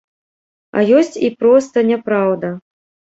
А ёсць і проста няпраўда.